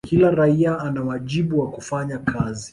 kila raia ana wajibu wa kufanya kazi